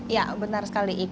ya benar sekali